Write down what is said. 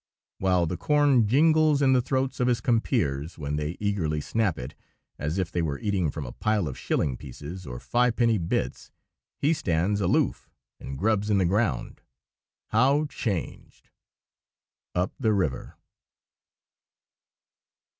While the corn jingles in the throats of his compeers when they eagerly snap it, as if they were eating from a pile of shilling pieces or fi' penny bits, he stands aloof and grubs in the ground. How changed! _Up the River.